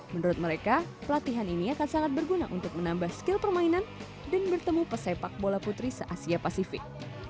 menurut mereka pelatihan ini akan sangat berguna untuk menambah skill permainan dan bertemu pesepak bola putri se asia pasifik